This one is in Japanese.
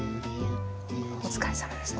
お疲れさまでした。